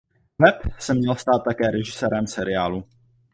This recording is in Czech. Webb se měl stát také režisérem seriálu.